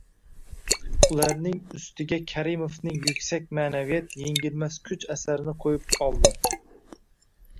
Ularning ustiga Karimovning "Yuksak ma’naviyat yengilmas kuch" asarini qo‘yib oldim.